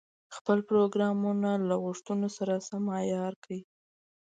خپل پروګرامونه له غوښتنو سره سم عیار کړي.